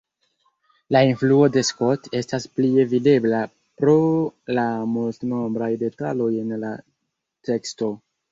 La influo de Scott estas plie videbla pro la multnombraj detaloj en la teksto.